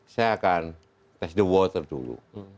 saya akan test the water dulu